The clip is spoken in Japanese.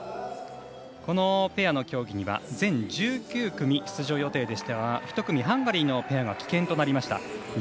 このペアの競技には全１９組出場予定でしたが１組ハンガリーのペアが棄権となりました。